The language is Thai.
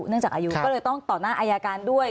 ก็เลยต้องต่อมห้าอายาการกันด้วย